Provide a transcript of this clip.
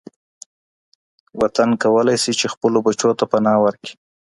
وطن کولای شي چي خپلو بچو ته پناه ورکړي.